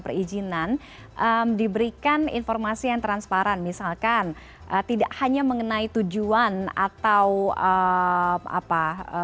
perizinan diberikan informasi yang transparan misalkan tidak hanya mengenai tujuan atau apa